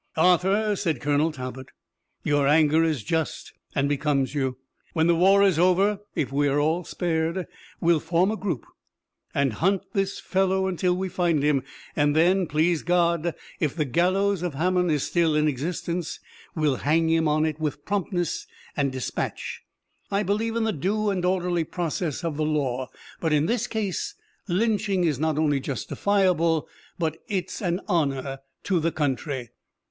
"Arthur," said Colonel Talbot, "your anger is just and becomes you. When the war is over, if we all are spared we'll form a group and hunt this fellow until we find him. And then, please God, if the gallows of Haman is still in existence, we'll hang him on it with promptness and dispatch. I believe in the due and orderly process of the law, but in this case lynching is not only justifiable, but it's an honor to the country."